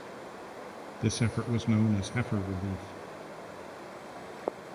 This effort was known as Heifer Relief.